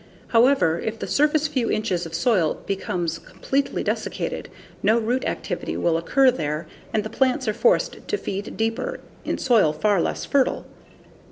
However, if the surface few inches of soil becomes completely desiccated, no root activity will occur there and the plants are forced to feed deeper, in soil far less fertile.